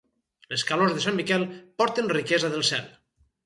Les calors de Sant Miquel porten riquesa del cel.